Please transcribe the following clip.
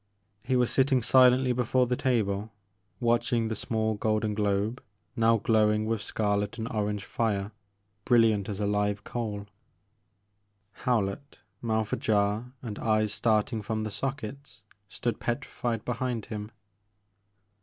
He was sitting silently before the table, watching the small golden globe, now glowing with scarlet and orange fire, brilliant as a live coaL Howlett, The Maker of Moons. 41 mouth ajar, and eyes starting bom the sockets, stood petrified behind him.